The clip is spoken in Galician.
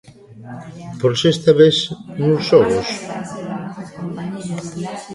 Por sexta vez nuns xogos.